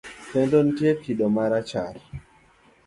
Kendo nitie kido marachar.